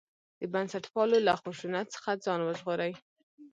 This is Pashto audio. د بنسټپالو له خشونت څخه ځان وژغوري.